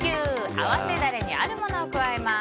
合わせダレにあるものを加えます。